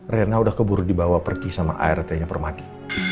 rena udah keburu dibawa pergi sama art nya permadi